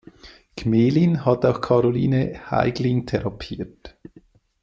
Gmelin hat auch Caroline Heigelin therapiert.